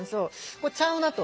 これちゃうなと。